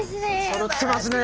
そろってますね。